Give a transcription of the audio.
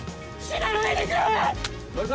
死なないでくれ！